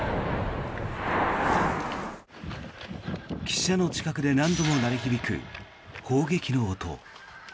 記者の近くで何度も鳴り響く砲撃の音。